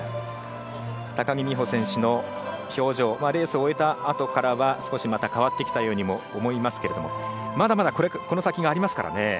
高木美帆選手の表情、レースを終えたあとからは少しまた変わってきたようにも思いますけれども、まだまだこの先がありますからね。